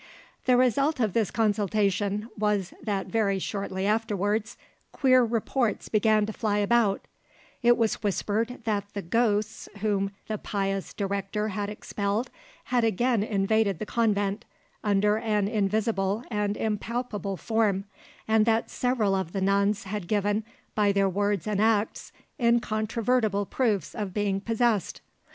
The result of this consultation was that very shortly afterwards queer reports began to fly about; it was whispered that the ghosts whom the pious director had expelled had again invaded the convent, under an invisible and impalpable form, and that several of the nuns had given, by their words and acts, incontrovertible proofs of being possessed.